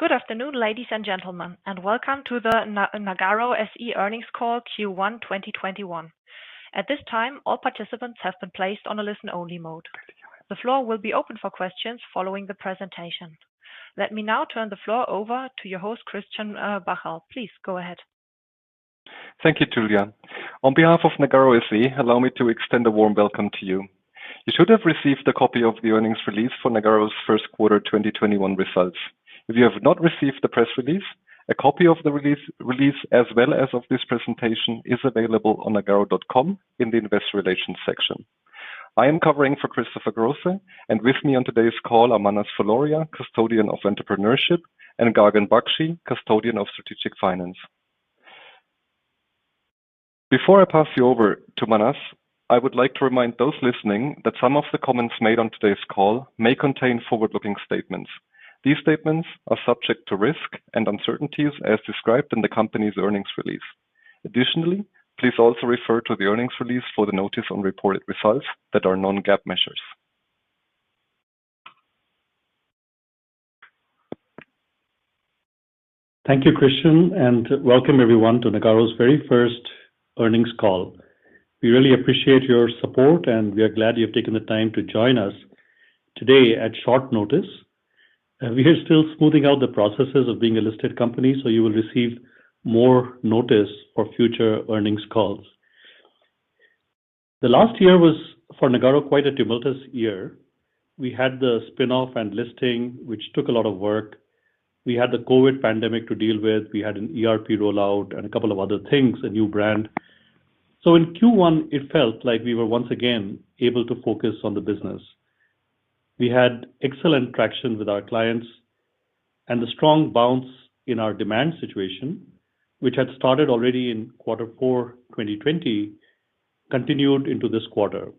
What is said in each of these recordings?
Good afternoon, ladies and gentlemen, and welcome to the Nagarro SE earnings call Q1 2021. At this time, all participants have been placed on a listen-only mode. The floor will be open for questions following the presentation. Let me now turn the floor over to your host, Christian Bacherl. Please go ahead. Thank you, Julia. On behalf of Nagarro SE, allow me to extend a warm welcome to you. You should have received a copy of the earnings release for Nagarro's first quarter 2021 results. If you have not received the press release, a copy of the release as well as of this presentation is available on nagarro.com in the investor relations section. I am covering for Christopher Grosse, and with me on today's call are Manas Fuloria, custodian of entrepreneurship, and Gagan Bakshi, custodian of strategic finance. Before I pass you over to Manas, I would like to remind those listening that some of the comments made on today's call may contain forward-looking statements. These statements are subject to risk and uncertainties as described in the company's earnings release. Additionally, please also refer to the earnings release for the notice on reported results that are non-GAAP measures. Thank you, Christian, and welcome everyone to Nagarro's very first earnings call. We really appreciate your support, and we are glad you've taken the time to join us today at short notice. We are still smoothing out the processes of being a listed company, so you will receive more notice for future earnings calls. The last year was, for Nagarro, quite a tumultuous year. We had the spinoff and listing, which took a lot of work. We had the COVID pandemic to deal with. We had an ERP rollout and a couple of other things, a new brand. In Q1, it felt like we were once again able to focus on the business. We had excellent traction with our clients, and the strong bounce in our demand situation, which had started already in Q4 2020, continued into this quarter.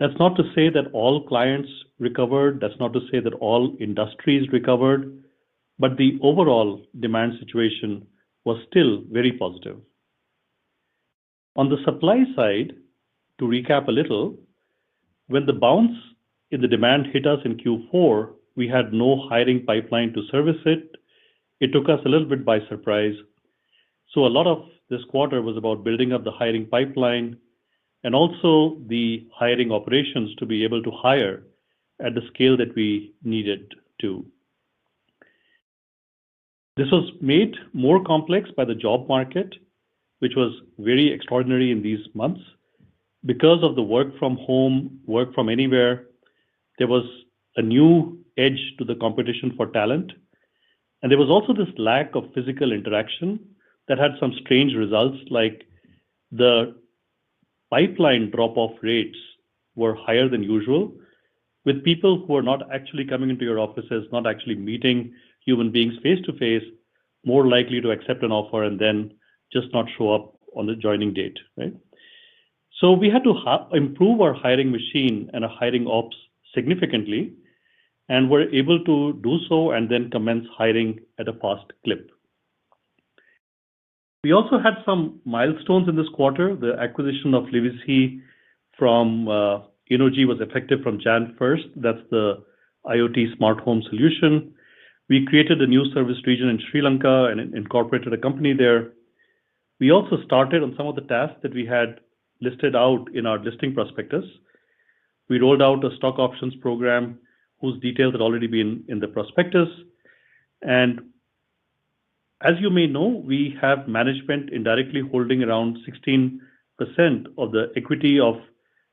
That's not to say that all clients recovered. That's not to say that all industries recovered, but the overall demand situation was still very positive. On the supply side, to recap a little, when the bounce in the demand hit us in Q4, we had no hiring pipeline to service it. It took us a little bit by surprise. A lot of this quarter was about building up the hiring pipeline and also the hiring operations to be able to hire at the scale that we needed to. This was made more complex by the job market, which was very extraordinary in these months. Because of the work from home, work from anywhere, there was a new edge to the competition for talent, and there was also this lack of physical interaction that had some strange results, like the pipeline drop-off rates were higher than usual. With people who are not actually coming into your offices, not actually meeting human beings face-to-face, more likely to accept an offer and then just not show up on the joining date, right? We had to improve our hiring machine and our hiring ops significantly, and were able to do so and then commence hiring at a fast clip. We also had some milestones in this quarter. The acquisition of Livisi from Innogy was effective from January 1st. That's the IoT smart home solution. We created a new service region in Sri Lanka and incorporated a company there. We also started on some of the tasks that we had listed out in our listing prospectus. We rolled out a stock options program whose details had already been in the prospectus. As you may know, we have management indirectly holding around 16% of the equity of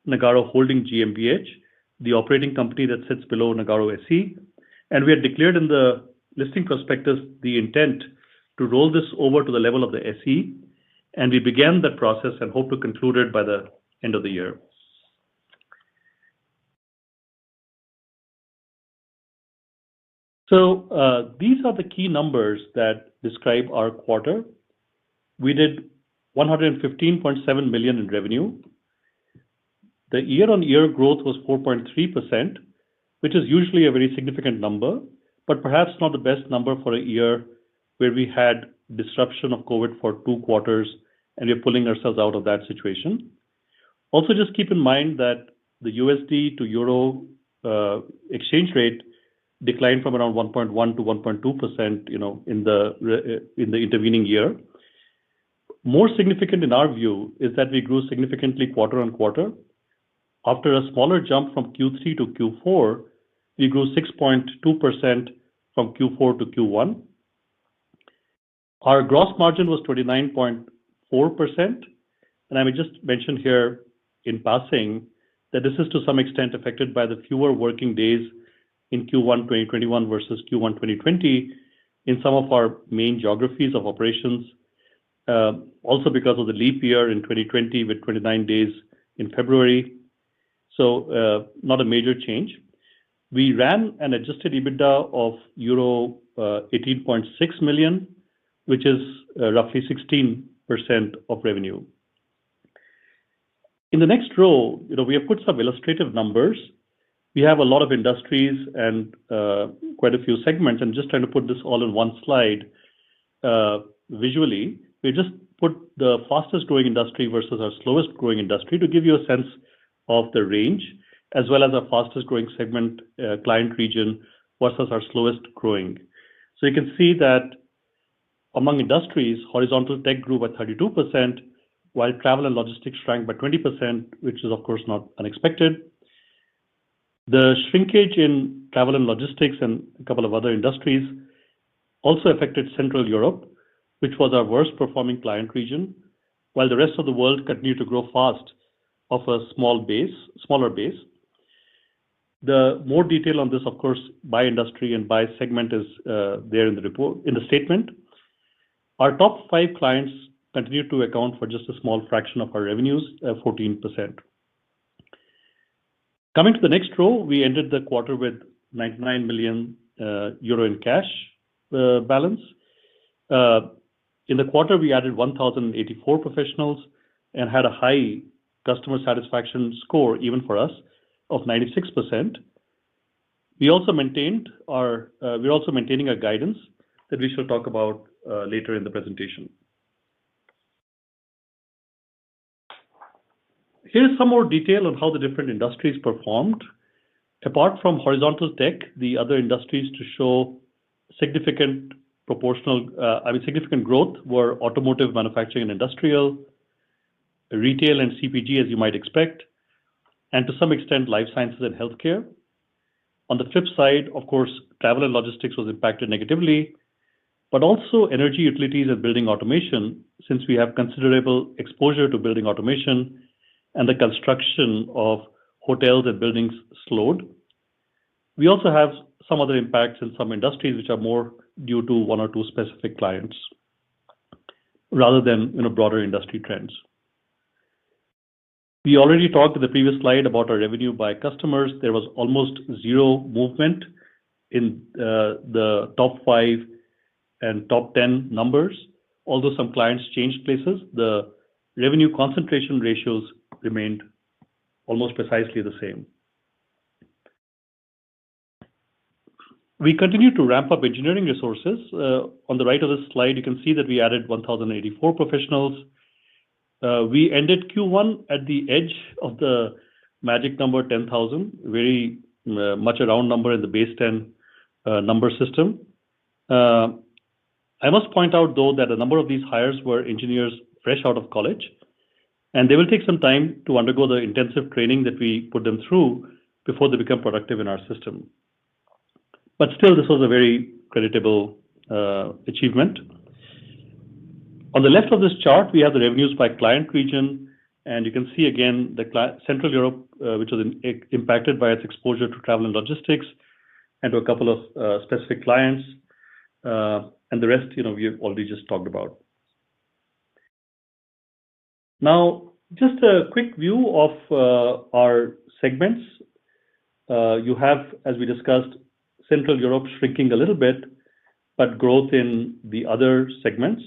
Nagarro Holding GmbH, the operating company that sits below Nagarro SE. We had declared in the listing prospectus the intent to roll this over to the level of the SE, and we began that process and hope to conclude it by the end of the year. These are the key numbers that describe our quarter. We did 115.7 million in revenue. The year-on-year growth was 4.3%, which is usually a very significant number, but perhaps not the best number for a year where we had disruption of COVID for two quarters and we're pulling ourselves out of that situation. Just keep in mind that the USD to euro exchange rate declined from around 1.1%-1.2% in the intervening year. More significant in our view is that we grew significantly quarter on quarter. After a smaller jump from Q3-Q4, we grew 6.2% from Q4-Q1. Our gross margin was 29.4%, and I would just mention here in passing that this is to some extent affected by the fewer working days in Q1 2021 versus Q1 2020 in some of our main geographies of operations. Also because of the leap year in 2020 with 29 days in February. Not a major change. We ran an adjusted EBITDA of euro 18.6 million, which is roughly 16% of revenue. In the next row, we have put some illustrative numbers. We have a lot of industries and quite a few segments. Just trying to put this all in one slide. Visually, we just put the fastest-growing industry versus our slowest-growing industry to give you a sense of the range, as well as our fastest-growing segment, client region versus our slowest growing. You can see that among industries, horizontal tech grew by 32%, while travel and logistics shrank by 20%, which is, of course, not unexpected. The shrinkage in travel and logistics and a couple of other industries also affected Central Europe, which was our worst-performing client region, while the rest of the world continued to grow fast off a smaller base. More detail on this, of course, by industry and by segment is there in the statement. Our top five clients continue to account for just a small fraction of our revenues, 14%. Coming to the next row, we ended the quarter with 99 million euro in cash balance. In the quarter, we added 1,084 professionals and had a high customer satisfaction score, even for us, of 96%. We're also maintaining our guidance that we shall talk about later in the presentation. Here's some more detail on how the different industries performed. Apart from horizontal tech, the other industries to show significant growth were automotive manufacturing and industrial, retail and CPG, as you might expect, and to some extent, life sciences and healthcare. On the flip side, of course, travel and logistics was impacted negatively, but also energy utilities and building automation, since we have considerable exposure to building automation and the construction of hotels and buildings slowed. We also have some other impacts in some industries which are more due to one or two specific clients rather than in broader industry trends. We already talked in the previous slide about our revenue by customers. There was almost zero movement in the top five and top 10 numbers. Although some clients changed places, the revenue concentration ratios remained almost precisely the same. We continue to ramp up engineering resources. On the right of this slide, you can see that we added 1,084 professionals. We ended Q1 at the edge of the magic number 10,000, very much a round number in the base 10 number system. I must point out, though, that a number of these hires were engineers fresh out of college, and they will take some time to undergo the intensive training that we put them through before they become productive in our system. But still, this was a very creditable achievement. On the left of this chart, we have the revenues by client region, and you can see again Central Europe, which was impacted by its exposure to travel and logistics and to a couple of specific clients. The rest, we have already just talked about. Now, just a quick view of our segments. You have, as we discussed, Central Europe shrinking a little bit, but growth in the other segments.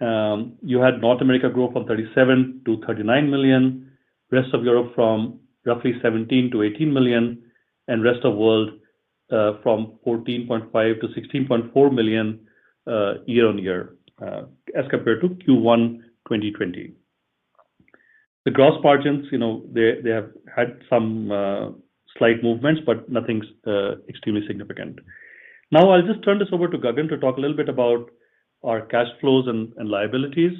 You had North America grow from 37 million-39 million, rest of Europe from roughly 17 million-18 million, and rest of world from 14.5 million-16.4 million year-on-year as compared to Q1 2020. The gross margins, they have had some slight movements, but nothing extremely significant. Now, I'll just turn this over to Gagan to talk a little bit about our cash flows and liabilities.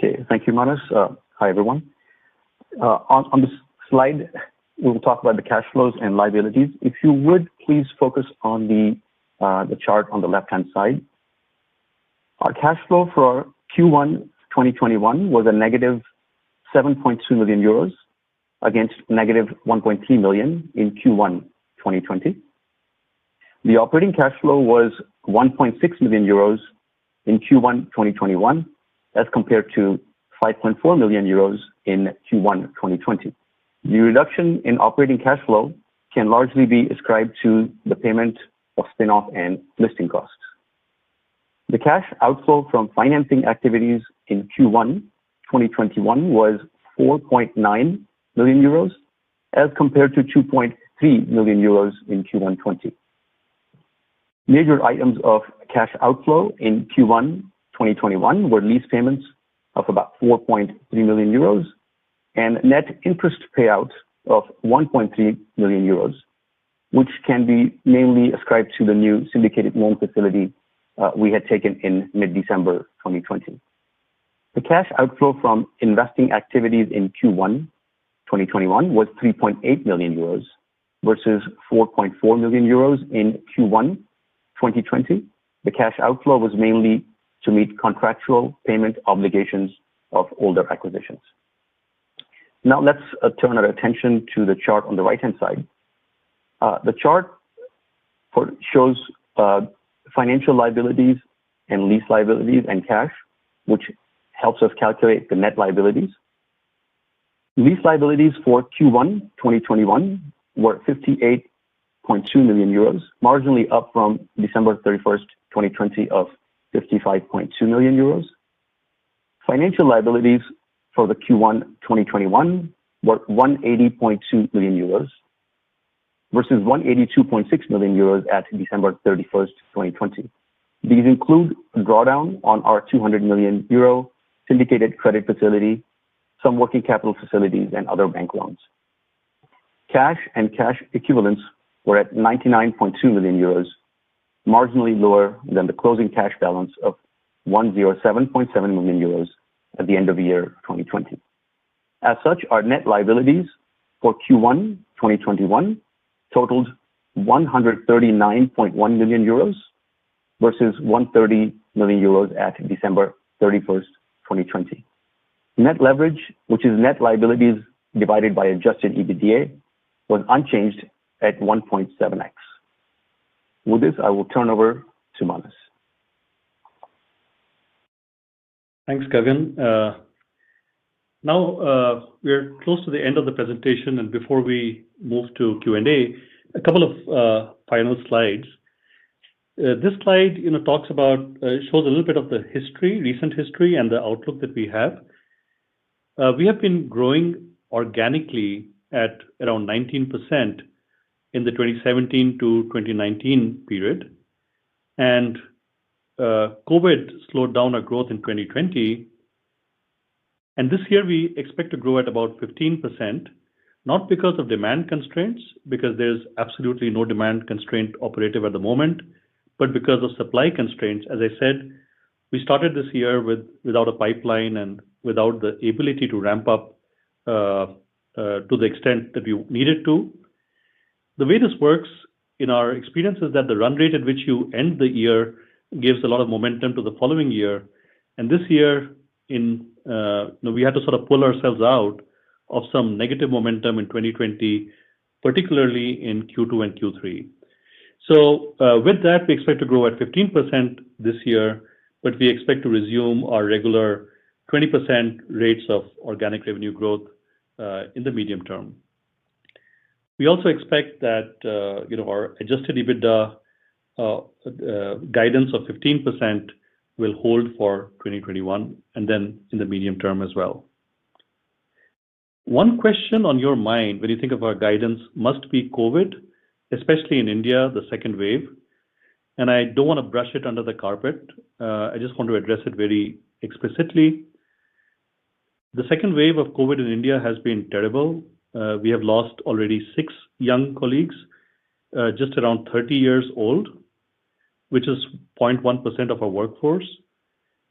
Okay. Thank you, Manas. Hi, everyone. On this slide, we will talk about the cash flows and liabilities. If you would please focus on the chart on the left-hand side. Our cash flow for Q1 2021 was a negative 7.2 million euros against negative 1.3 million in Q1 2020. The operating cash flow was 1.6 million euros in Q1 2021 as compared to 5.4 million euros in Q1 2020. The reduction in operating cash flow can largely be ascribed to the payment of spinoff and listing costs. The cash outflow from financing activities in Q1 2021 was 4.9 million euros as compared to 2.3 million euros in Q1 2020. Major items of cash outflow in Q1 2021 were lease payments of about 4.3 million euros and net interest payout of 1.3 million euros, which can be mainly ascribed to the new syndicated loan facility we had taken in mid-December 2020. The cash outflow from investing activities in Q1 2021 was 3.8 million euros versus 4.4 million euros in Q1 2020. The cash outflow was mainly to meet contractual payment obligations of older acquisitions. Let's turn our attention to the chart on the right-hand side. The chart shows financial liabilities and lease liabilities and cash, which helps us calculate the net liabilities. Lease liabilities for Q1 2021 were 58.2 million euros, marginally up from December 31st, 2020 of 55.2 million euros. Financial liabilities for the Q1 2021 were 180.2 million euros versus 182.6 million euros at December 31st, 2020. These include drawdown on our 200 million euro syndicated credit facility, some working capital facilities, and other bank loans. Cash and cash equivalents were at 99.2 million euros, marginally lower than the closing cash balance of 107.7 million euros at the end of year 2020. As such, our net liabilities for Q1 2021 totaled 139.1 million euros versus 130 million euros at December 31st, 2020. Net leverage, which is net liabilities divided by adjusted EBITDA, was unchanged at 1.7X. With this, I will turn over to Manas. Thanks, Gagan. Now, we're close to the end of the presentation, and before we move to Q&A, a couple of final slides. This slide shows a little bit of the recent history and the outlook that we have. We have been growing organically at around 19% in the 2017-2019 period, and COVID slowed down our growth in 2020. This year, we expect to grow at about 15%, not because of demand constraints, because there's absolutely no demand constraint operative at the moment, but because of supply constraints. As I said, we started this year without a pipeline and without the ability to ramp up to the extent that we needed to. The way this works, in our experience, is that the run rate at which you end the year gives a lot of momentum to the following year. This year, we had to sort of pull ourselves out of some negative momentum in 2020, particularly in Q2 and Q3. With that, we expect to grow at 15% this year, but we expect to resume our regular 20% rates of organic revenue growth in the medium term. We also expect that our adjusted EBITDA guidance of 15% will hold for 2021, and then in the medium term as well. One question on your mind when you think of our guidance must be COVID, especially in India, the second wave, and I don't want to brush it under the carpet. I just want to address it very explicitly. The second wave of COVID in India has been terrible. We have lost already six young colleagues, just around 30 years old, which is 0.1% of our workforce.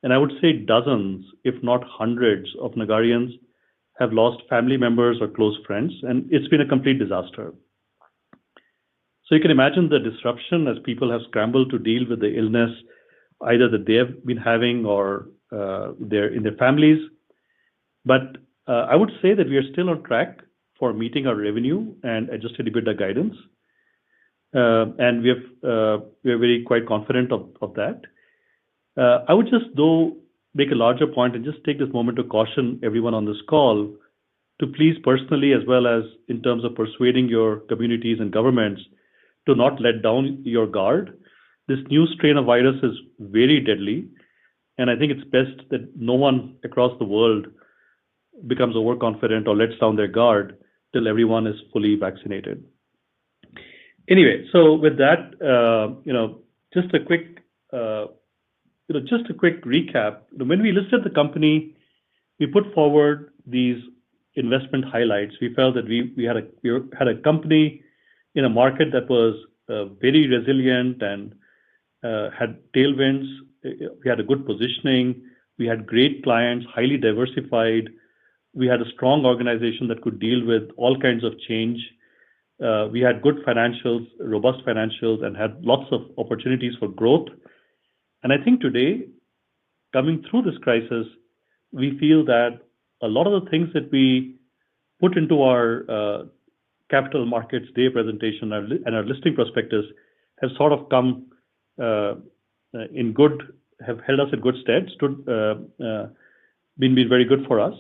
I would say dozens, if not hundreds, of Nagarrians have lost family members or close friends, and it's been a complete disaster. You can imagine the disruption as people have scrambled to deal with the illness, either that they have been having or in their families. I would say that we are still on track for meeting our revenue and adjusted EBITDA guidance. We are very quite confident of that. I would just, though, make a larger point and just take this moment to caution everyone on this call to please personally, as well as in terms of persuading your communities and governments to not let down your guard. This new strain of virus is very deadly, and I think it's best that no one across the world becomes overconfident or lets down their guard till everyone is fully vaccinated. With that, just a quick recap. When we listed the company, we put forward these investment highlights. We felt that we had a company in a market that was very resilient and had tailwinds. We had a good positioning. We had great clients, highly diversified. We had a strong organization that could deal with all kinds of change. We had good financials, robust financials, and had lots of opportunities for growth. I think today, coming through this crisis, we feel that a lot of the things that we put into our Capital Markets Day presentation and our listing prospectus have held us in good stead, been very good for us.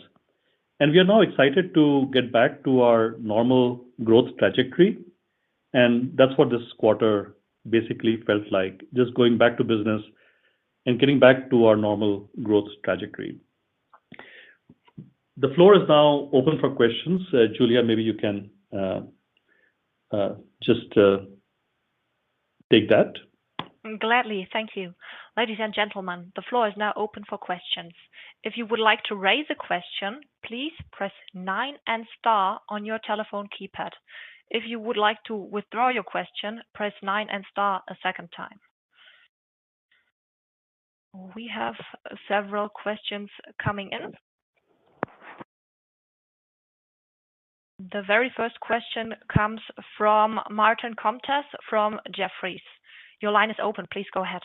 We are now excited to get back to our normal growth trajectory, and that's what this quarter basically felt like, just going back to business and getting back to our normal growth trajectory. The floor is now open for questions. Julia, maybe you can just take that. Gladly. Thank you. Ladies and gentlemen, the floor is now open for questions. If you would like to raise a question, please press 9 and star on your telephone keypad. If you would like to withdraw your question, press 9 and star a second time. We have several questions coming in. The very first question comes from Martin Comtesse from Jefferies. Your line is open. Please go ahead.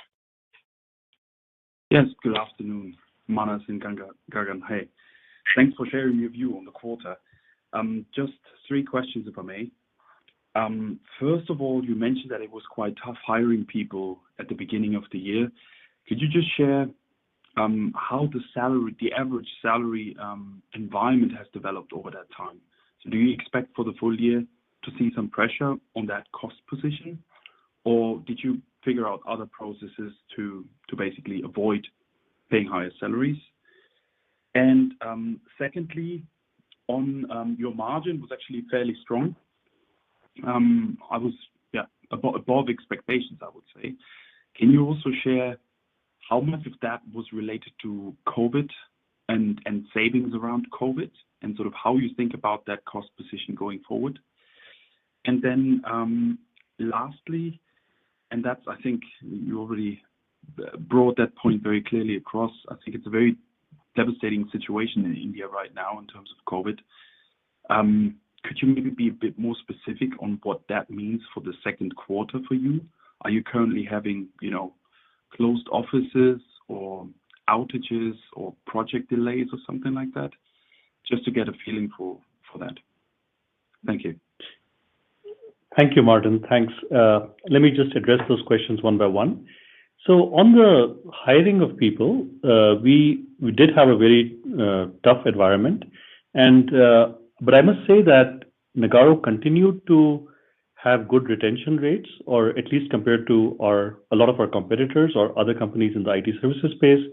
Good afternoon, Manas and Gagan. Hey. Thanks for sharing your view on the quarter. Just three questions, if I may. First of all, you mentioned that it was quite tough hiring people at the beginning of the year. Could you just share how the average salary environment has developed over that time? Do you expect for the full year to see some pressure on that cost position? Or did you figure out other processes to basically avoid paying higher salaries? Secondly, your margin was actually fairly strong. Above expectations, I would say. Can you also share how much of that was related to COVID and savings around COVID, and how you think about that cost position going forward? Lastly, I think you already brought that point very clearly across. I think it's a very devastating situation in India right now in terms of COVID. Could you maybe be a bit more specific on what that means for the second quarter for you? Are you currently having closed offices or outages or project delays or something like that? Just to get a feeling for that. Thank you. Thank you, Martin. Thanks. Let me just address those questions one by one. On the hiring of people, we did have a very tough environment. I must say that Nagarro continued to have good retention rates, or at least compared to a lot of our competitors or other companies in the IT services space,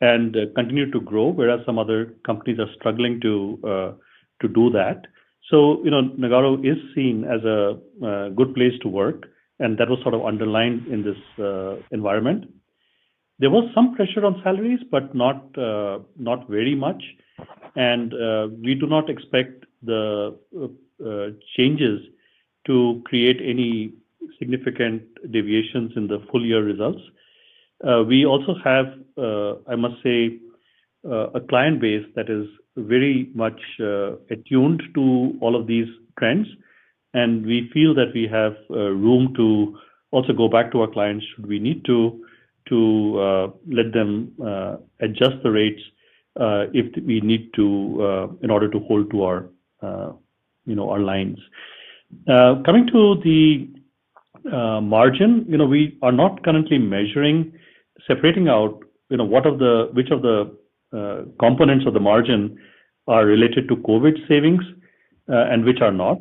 and continued to grow, whereas some other companies are struggling to do that. Nagarro is seen as a good place to work, and that was sort of underlined in this environment. There was some pressure on salaries, but not very much. We do not expect the changes to create any significant deviations in the full-year results. We also have, I must say, a client base that is very much attuned to all of these trends. We feel that we have room to also go back to our clients should we need to let them adjust the rates, if we need to in order to hold to our lines. Coming to the margin, we are not currently measuring, separating out which of the components of the margin are related to COVID savings and which are not.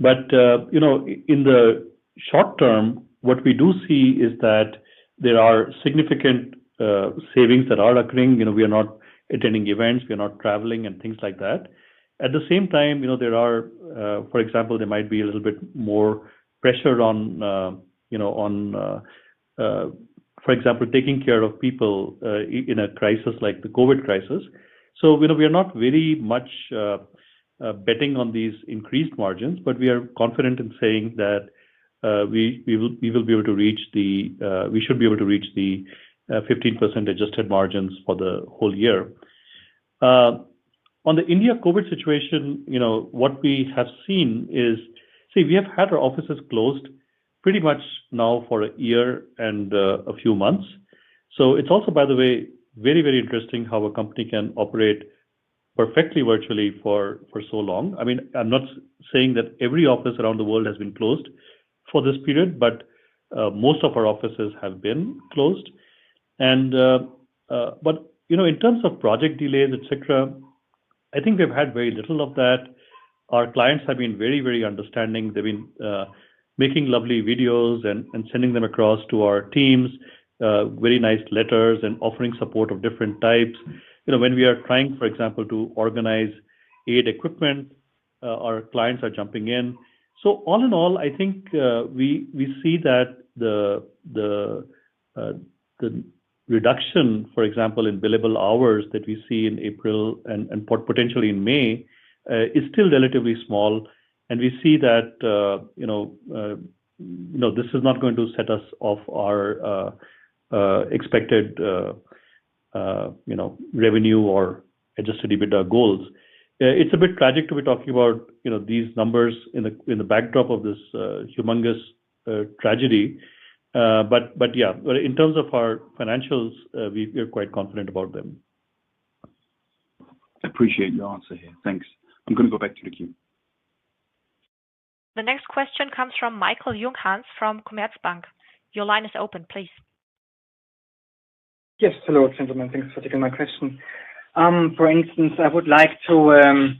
In the short term, what we do see is that there are significant savings that are occurring. We are not attending events, we are not traveling and things like that. At the same time, for example, there might be a little bit more pressure on, for example, taking care of people in a crisis like the COVID crisis. We are not very much betting on these increased margins, but we are confident in saying that we should be able to reach the 15% adjusted margins for the whole year. On the India COVID situation, what we have seen is, see, we have had our offices closed pretty much now for a year and a few months. It's also, by the way, very interesting how a company can operate perfectly virtually for so long. I'm not saying that every office around the world has been closed for this period, but most of our offices have been closed. In terms of project delays, et cetera, I think we've had very little of that. Our clients have been very understanding. They've been making lovely videos and sending them across to our teams. Very nice letters and offering support of different types. When we are trying, for example, to organize aid equipment, our clients are jumping in. All in all, I think we see that the reduction, for example, in billable hours that we see in April and potentially in May, is still relatively small. We see that this is not going to set us off our expected revenue or adjusted EBITDA goals. It's a bit tragic to be talking about these numbers in the backdrop of this humongous tragedy. Yeah, in terms of our financials, we are quite confident about them. Appreciate your answer here. Thanks. I'm going to go back to the queue. The next question comes from Michael Knapp from Commerzbank. Your line is open, please. Yes. Hello, gentlemen. Thanks for taking my question. For instance, I would like to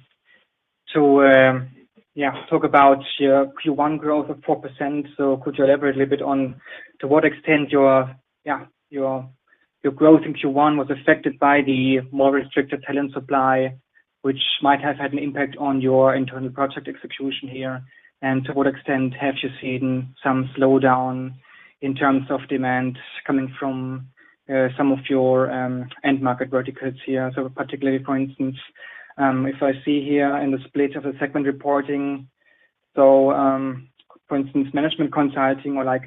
talk about your Q1 growth of 4%. Could you elaborate a little bit on to what extent your growth in Q1 was affected by the more restricted talent supply, which might have had an impact on your internal project execution here? To what extent have you seen some slowdown in terms of demand coming from some of your end market verticals here? Particularly, for instance, if I see here in the split of the segment reporting, so for instance, management consulting or life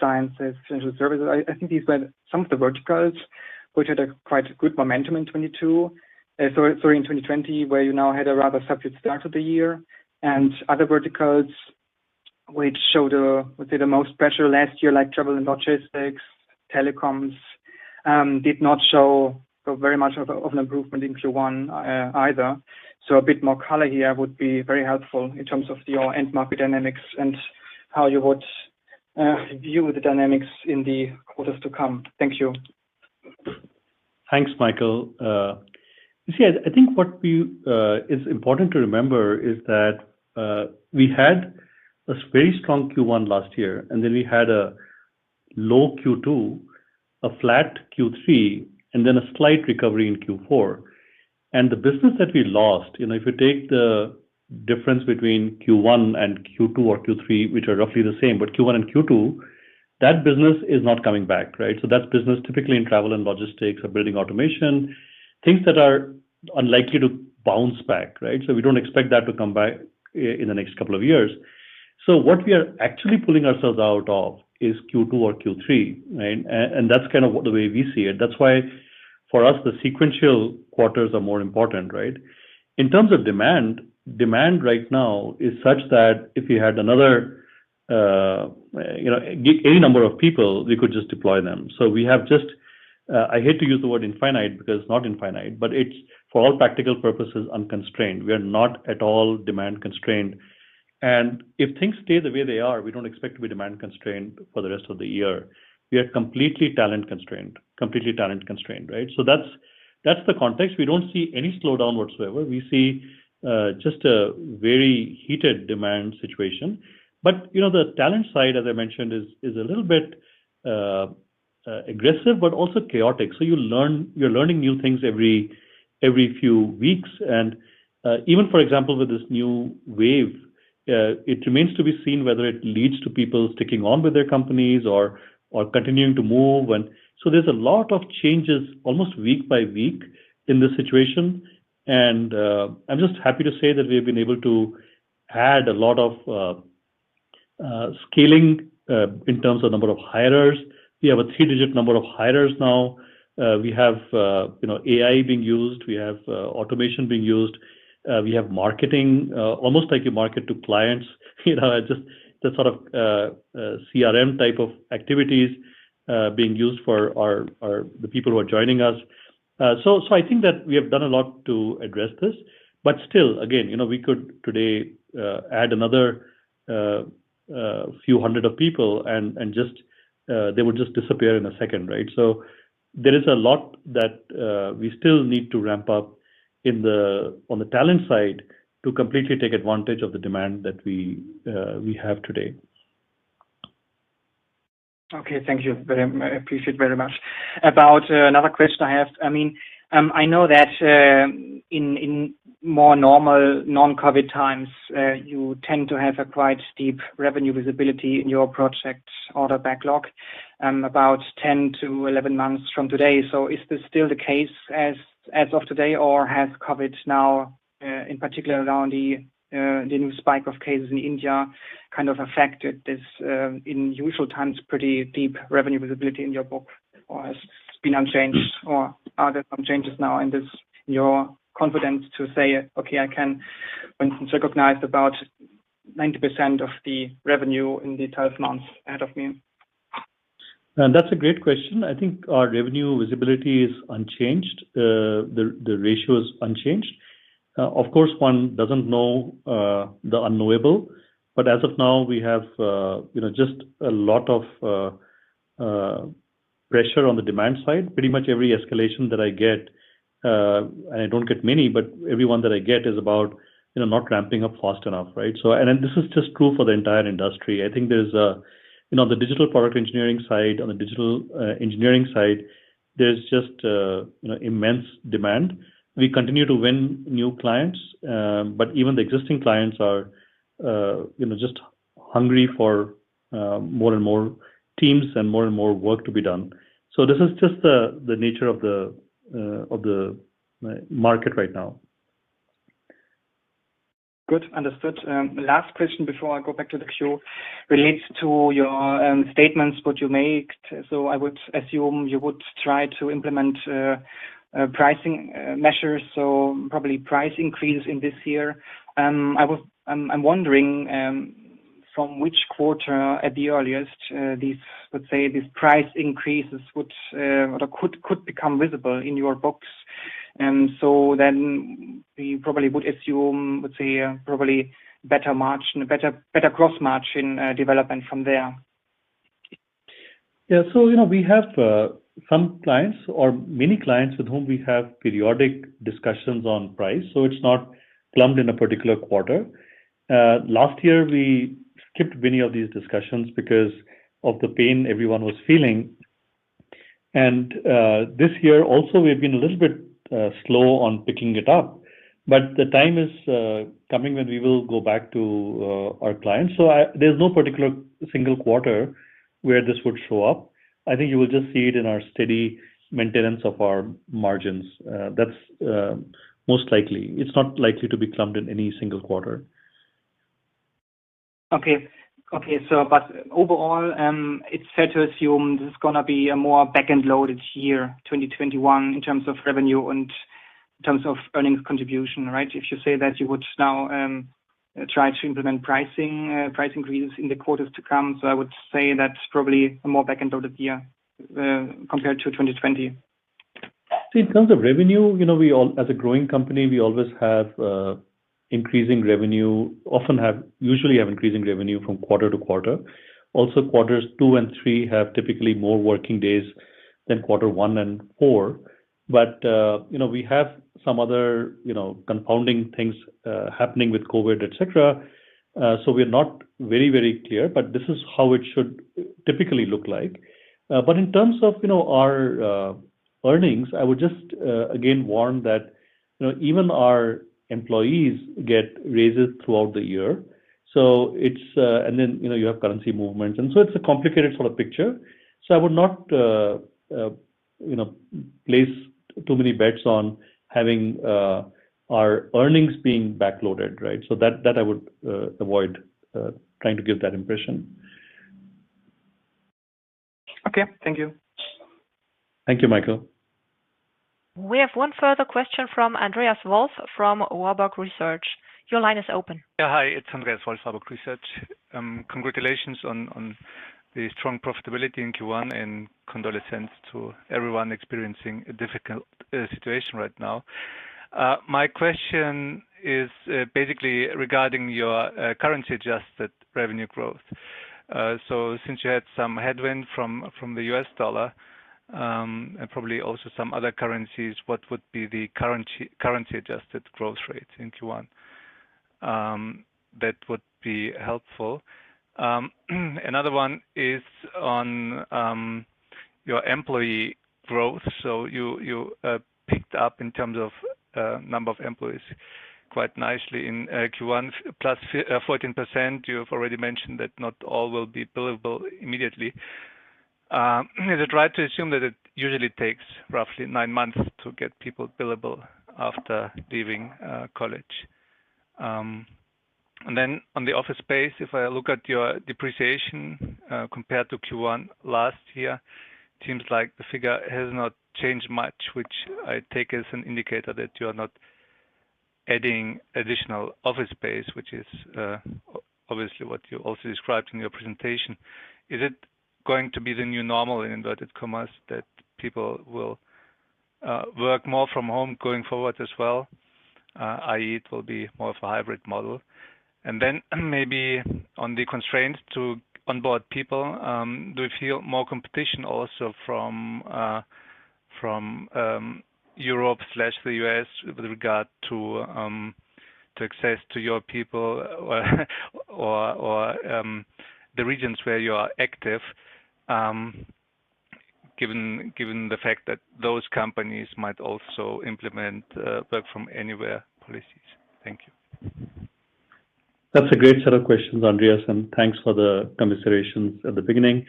sciences, financial services. I think these were some of the verticals which had a quite good momentum in 2020, where you now had a rather separate start of the year. Other verticals which showed, let's say the most pressure last year, like travel and logistics, telecoms, did not show very much of an improvement in Q1 either. A bit more color here would be very helpful in terms of your end market dynamics and how you would view the dynamics in the quarters to come. Thank you. Thanks, Michael. I think what is important to remember is that we had a very strong Q1 last year, then we had a low Q2, a flat Q3, then a slight recovery in Q4. The business that we lost, if you take the difference between Q1 and Q2 or Q3, which are roughly the same, but Q1 and Q2, that business is not coming back. Right? That's business typically in travel and logistics or building automation, things that are unlikely to bounce back. Right? We don't expect that to come back in the next couple of years. What we are actually pulling ourselves out of is Q2 or Q3. Right? That's kind of the way we see it. That's why for us, the sequential quarters are more important, right? In terms of demand right now is such that if you had another, any number of people, we could just deploy them. We have just, I hate to use the word infinite because it's not infinite, but it's for all practical purposes, unconstrained. We are not at all demand-constrained. If things stay the way they are, we don't expect to be demand-constrained for the rest of the year. We are completely talent-constrained. Completely talent-constrained. Right? That's the context. We don't see any slowdown whatsoever. We see just a very heated demand situation. The talent side, as I mentioned, is a little bit aggressive, but also chaotic. You're learning new things every few weeks. Even, for example, with this new wave, it remains to be seen whether it leads to people sticking on with their companies or continuing to move. There's a lot of changes almost week by week in this situation. I'm just happy to say that we've been able to add a lot of scaling in terms of number of hirers. We have a three-digit number of hirers now. We have AI being used. We have automation being used. We have marketing, almost like you market to clients. Sort of CRM type of activities being used for the people who are joining us. I think that we have done a lot to address this. Still, again, we could today add another few hundred of people, and they would just disappear in a second. Right? There is a lot that we still need to ramp up on the talent side to completely take advantage of the demand that we have today. Okay. Thank you. I appreciate very much. Another question I have, I know that in more normal non-COVID times, you tend to have a quite steep revenue visibility in your project order backlog, about 10-11 months from today. Is this still the case as of today, or has COVID now, in particular around the new spike of cases in India, kind of affected this, in usual times, pretty deep revenue visibility in your book? Has it been unchanged? Are there some changes now, and is your confidence to say, "Okay, I can recognize about 90% of the revenue in the 12 months ahead of me? That's a great question. I think our revenue visibility is unchanged. The ratio is unchanged. Of course, one doesn't know the unknowable. As of now, we have just a lot of pressure on the demand side. Pretty much every escalation that I get, and I don't get many, but every one that I get is about not ramping up fast enough. Right? This is just true for the entire industry. I think there's the digital product engineering side. On the digital engineering side, there's just immense demand. We continue to win new clients, but even the existing clients are just hungry for more and more teams and more and more work to be done. This is just the nature of the market right now. Good. Understood. Last question before I go back to the queue relates to your statements, what you made. I would assume you would try to implement pricing measures, so probably price increase in this year. I'm wondering from which quarter at the earliest these, let's say, these price increases could become visible in your books. We probably would assume, let's say, probably better margin, a better gross margin development from there. Yeah. We have some clients or many clients with whom we have periodic discussions on price, so it's not clumped in a particular quarter. Last year, we skipped many of these discussions because of the pain everyone was feeling. This year also, we've been a little bit slow on picking it up. The time is coming when we will go back to our clients. There's no particular single quarter where this would show up. I think you will just see it in our steady maintenance of our margins. That's most likely. It's not likely to be clumped in any single quarter. Okay. Overall, it's fair to assume this is going to be a more back-end loaded year, 2021, in terms of revenue and in terms of earnings contribution, right? If you say that you would now try to implement price increases in the quarters to come, I would say that's probably a more back-end loaded year compared to 2020. In terms of revenue, as a growing company, we always have increasing revenue, usually have increasing revenue from quarter to quarter. Also, Q2 and Q3 have typically more working days than Q1 and Q4. We have some other compounding things happening with COVID, et cetera, so we're not very clear, but this is how it should typically look like. In terms of our earnings, I would just again warn that even our employees get raises throughout the year. Then you have currency movements, it's a complicated picture. I would not place too many bets on having our earnings being back-loaded. That I would avoid trying to give that impression. Okay. Thank you. Thank you, Michael. We have one further question from Andreas Wolf from Warburg Research. Your line is open. Yeah. Hi, it's Andreas Wolf, Warburg Research. Congratulations on the strong profitability in Q1, and condolences to everyone experiencing a difficult situation right now. My question is basically regarding your currency-adjusted revenue growth. Since you had some headwind from the US dollar, and probably also some other currencies, what would be the currency-adjusted growth rate in Q1? That would be helpful. Another one is on your employee growth. You picked up in terms of number of employees quite nicely in Q1, plus 14%. You have already mentioned that not all will be billable immediately. Is it right to assume that it usually takes roughly nine months to get people billable after leaving college? On the office space, if I look at your depreciation compared to Q1 last year, seems like the figure has not changed much, which I take as an indicator that you are not adding additional office space, which is obviously what you also described in your presentation. Is it going to be the "new normal," in inverted commas, that people will work more from home going forward as well, i.e., it will be more of a hybrid model? Maybe on the constraint to onboard people, do you feel more competition also from Europe/the U.S. with regard to access to your people or the regions where you are active, given the fact that those companies might also implement work-from-anywhere policies? Thank you. That's a great set of questions, Andreas, and thanks for the commiserations at the beginning.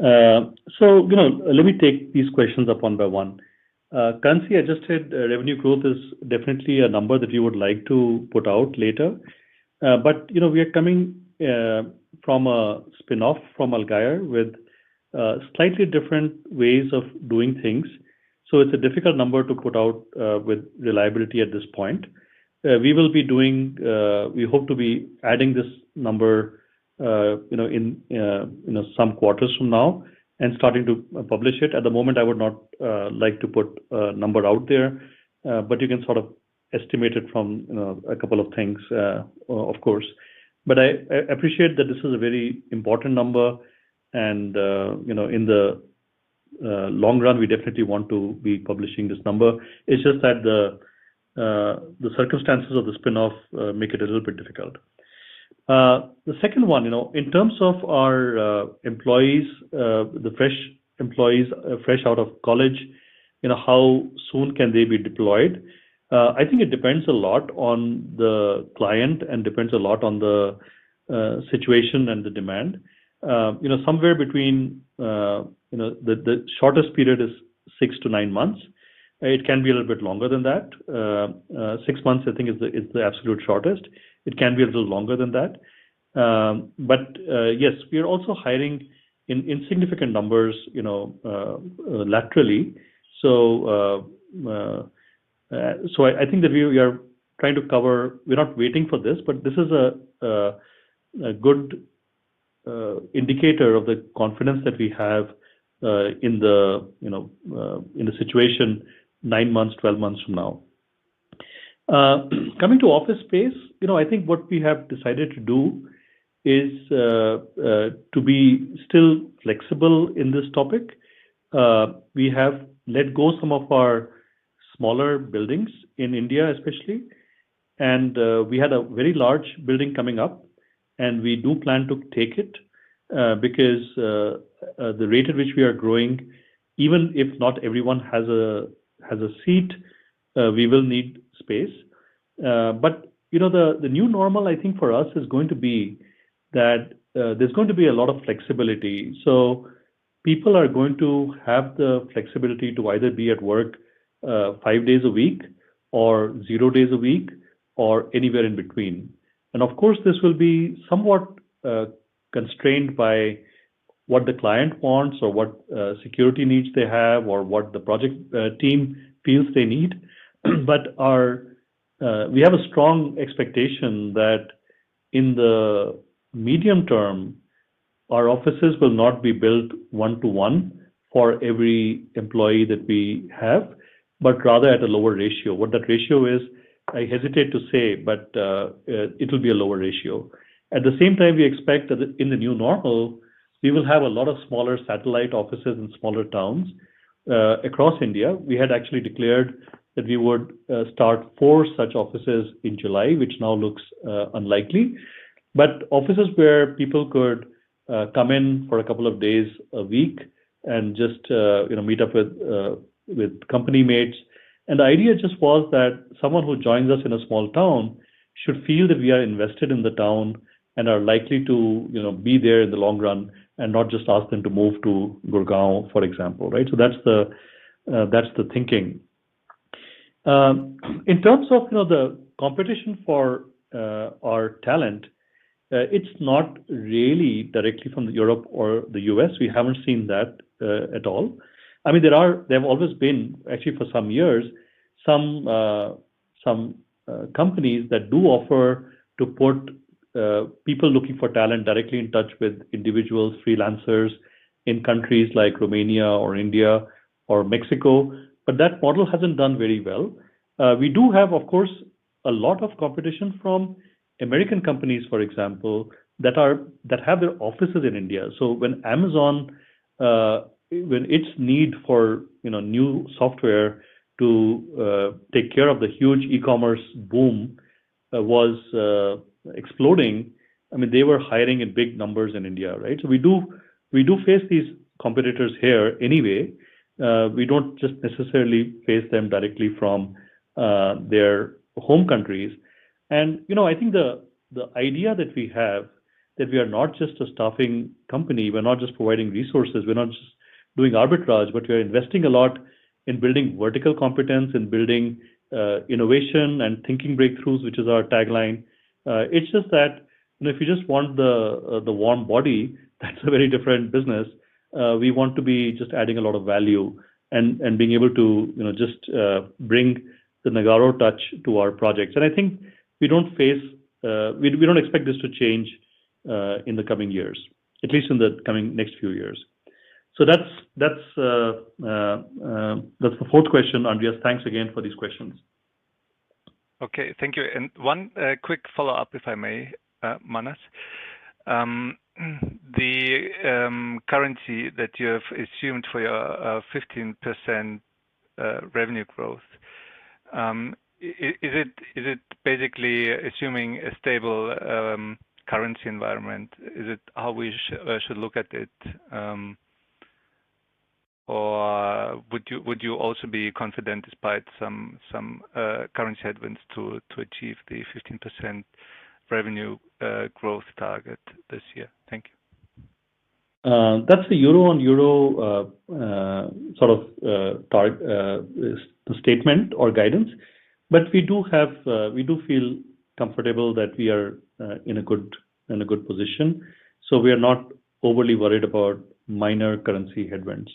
Let me take these questions up one by one. Currency-adjusted revenue growth is definitely a number that we would like to put out later. We are coming from a spin-off from Allgeier with slightly different ways of doing things, so it's a difficult number to put out with reliability at this point. We hope to be adding this number in some quarters from now and starting to publish it. At the moment, I would not like to put a number out there, but you can sort of estimate it from a couple of things, of course. I appreciate that this is a very important number and in the long run, we definitely want to be publishing this number. It's just that the circumstances of the spin-off make it a little bit difficult. The second one, in terms of our employees, the fresh employees fresh out of college, how soon can they be deployed? I think it depends a lot on the client and depends a lot on the situation and the demand. The shortest period is six to nine months. It can be a little bit longer than that. Six months, I think, is the absolute shortest. It can be a little longer than that. Yes, we are also hiring in significant numbers laterally. I think that we are trying to cover. We're not waiting for this, but this is a good indicator of the confidence that we have in the situation nine months, 12 months from now. Coming to office space, I think what we have decided to do is to be still flexible in this topic. We have let go some of our smaller buildings, in India especially, and we had a very large building coming up, and we do plan to take it, because the rate at which we are growing, even if not everyone has a seat, we will need space. The new normal, I think for us, is going to be that there's going to be a lot of flexibility. People are going to have the flexibility to either be at work five days a week or zero days a week, or anywhere in between. Of course, this will be somewhat constrained by what the client wants or what security needs they have or what the project team feels they need. We have a strong expectation that in the medium term, our offices will not be built one-to-one for every employee that we have, but rather at a lower ratio. What that ratio is, I hesitate to say. It'll be a lower ratio. At the same time, we expect that in the new normal, we will have a lot of smaller satellite offices in smaller towns across India. We had actually declared that we would start four such offices in July, which now looks unlikely. Offices where people could come in for a couple of days a week and just meet up with company mates. The idea just was that someone who joins us in a small town should feel that we are invested in the town and are likely to be there in the long run and not just ask them to move to Gurgaon, for example. That's the thinking. In terms of the competition for our talent, it's not really directly from Europe or the U.S. We haven't seen that at all. There have always been, actually for some years, some companies that do offer to put people looking for talent directly in touch with individual freelancers in countries like Romania or India or Mexico, but that model hasn't done very well. We do have, of course, a lot of competition from American companies, for example, that have their offices in India. When Amazon, when its need for new software to take care of the huge e-commerce boom was exploding, they were hiring in big numbers in India. We do face these competitors here anyway. We don't just necessarily face them directly from their home countries. I think the idea that we have that we are not just a staffing company, we're not just providing resources, we're not just doing arbitrage, but we are investing a lot in building vertical competence, in building innovation and thinking breakthroughs, which is our tagline. It's just that if you just want the warm body, that's a very different business. We want to be just adding a lot of value and being able to just bring the Nagarro touch to our projects. I think we don't expect this to change in the coming years, at least in the coming next few years. That's the fourth question, Andreas. Thanks again for these questions. Okay. Thank you. One quick follow-up, if I may, Manas. The currency that you have assumed for your 15% revenue growth, is it basically assuming a stable currency environment? Is it how we should look at it? Would you also be confident despite some currency headwinds to achieve the 15% revenue growth target this year? Thank you. That's the euro on euro sort of statement or guidance. We do feel comfortable that we are in a good position. We are not overly worried about minor currency headwinds.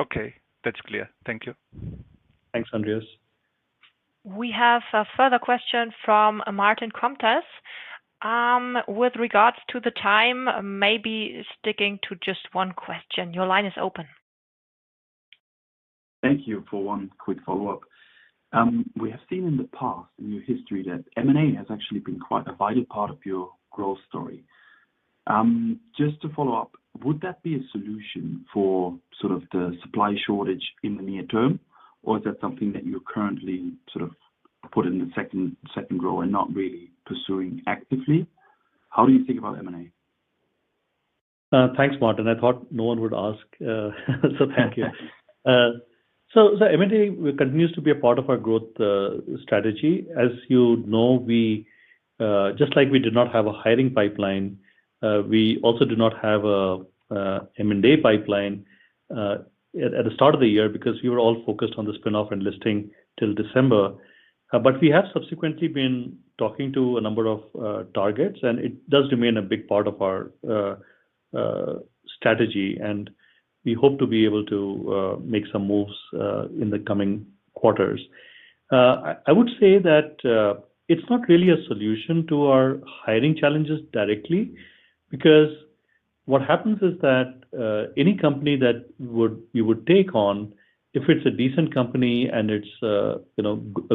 Okay. That's clear. Thank you. Thanks, Andreas. We have a further question from Martin Comtesse. With regards to the time, maybe sticking to just one question. Your line is open. Thank you. For one quick follow-up. We have seen in the past, in your history, that M&A has actually been quite a vital part of your growth story. Just to follow up, would that be a solution for sort of the supply shortage in the near term, or is that something that you currently put in the second row and not really pursuing actively? How do you think about M&A? Thanks, Martin. I thought no one would ask so thank you. M&A continues to be a part of our growth strategy. As you know, just like we did not have a hiring pipeline, we also do not have a M&A pipeline at the start of the year because we were all focused on the spin-off and listing till December. We have subsequently been talking to a number of targets, and it does remain a big part of our strategy, and we hope to be able to make some moves in the coming quarters. I would say that it's not really a solution to our hiring challenges directly, because what happens is that any company that we would take on, if it's a decent company and it's a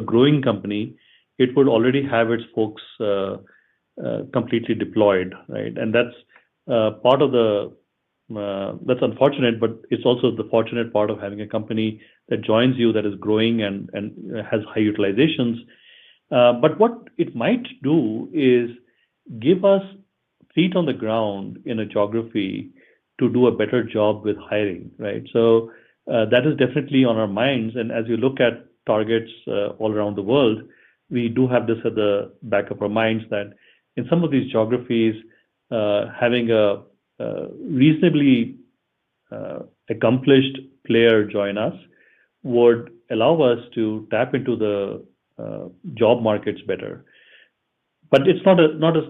growing company, it would already have its folks completely deployed. That's unfortunate, but it's also the fortunate part of having a company that joins you that is growing and has high utilizations. What it might do is give us feet on the ground in a geography to do a better job with hiring. That is definitely on our minds. As you look at targets all around the world, we do have this at the back of our minds that in some of these geographies, having a reasonably accomplished player join us would allow us to tap into the job markets better. It's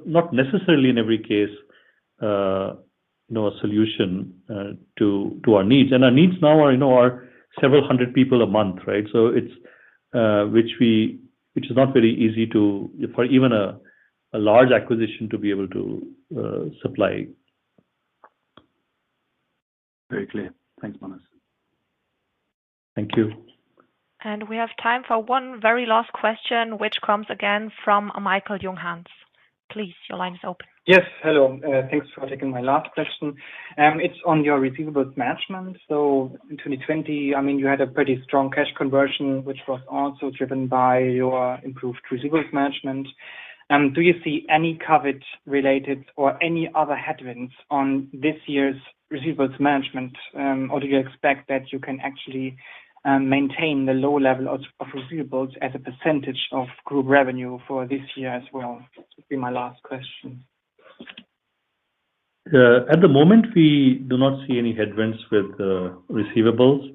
not necessarily in every case a solution to our needs. Our needs now are several hundred people a month. Which is not very easy for even a large acquisition to be able to supply. Very clear. Thanks, Manas. Thank you. We have time for one very last question, which comes again from Michael Knapp. Please, your line is open. Yes. Hello. Thanks for taking my last question. It's on your receivables management. In 2020, you had a pretty strong cash conversion, which was also driven by your improved receivables management. Do you see any COVID related or any other headwinds on this year's receivables management, or do you expect that you can actually maintain the low level of receivables as a percentage of group revenue for this year as well? This will be my last question. At the moment, we do not see any headwinds with receivables.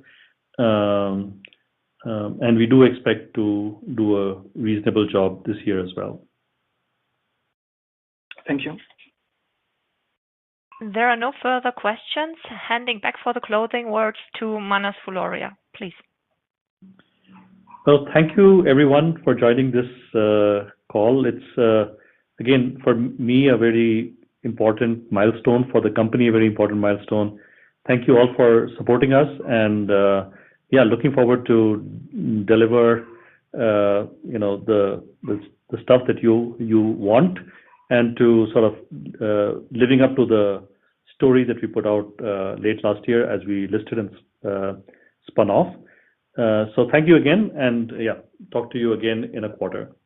We do expect to do a reasonable job this year as well. Thank you. There are no further questions. Handing back for the closing words to Manas Fuloria, please. Well, thank you everyone for joining this call. It's, again, for me, a very important milestone, for the company, a very important milestone. Thank you all for supporting us and looking forward to deliver the stuff that you want and to sort of living up to the story that we put out late last year as we listed and spun off. Thank you again, and talk to you again in a quarter. Thank you.